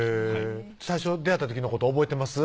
最初出会った時のこと覚えてます？